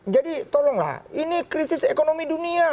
jadi tolonglah ini krisis ekonomi dunia